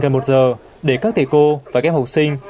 về một giờ để các thầy cô và các học sinh